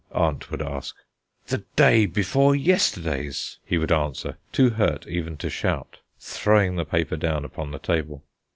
aunt would ask. "The day before yesterday's!" he would answer, too hurt even to shout, throwing the paper down upon the table.